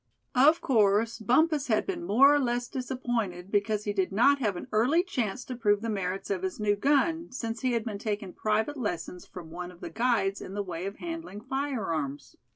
Of course Bumpus had been more or less disappointed because he did not have an early chance to prove the merits of his new gun, since he had been taking private lessons from one of the guides in the way of handling firearms.